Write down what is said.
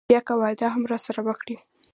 بيا که واده هم راسره وکړي.